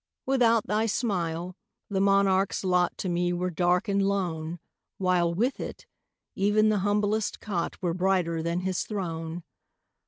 Without thy smile, the monarch's lot To me were dark and lone, While, with it, even the humblest cot Were brighter than his throne.